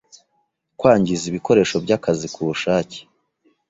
Kwangiza ibikoresho by’akazi ku bushake.